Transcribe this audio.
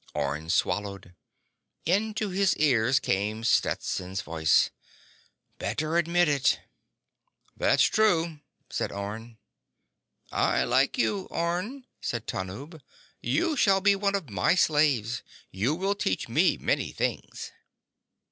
Orne swallowed. Into his ears came Stetson's voice: "Better admit it." "That's true," said Orne. "I like you, Orne," said Tanub. "You shall be one of my slaves. You will teach me many things."